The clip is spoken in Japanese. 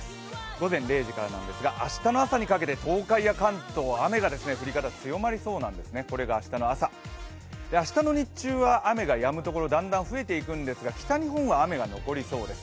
午前０時からなんですが、明日の朝にかけて東海や関東、雨が降り方、強まりそうなんです、これが明日の朝、明日の日中は雨がやむところ、だんだん増えていくんですが北日本は雨が残りそうです。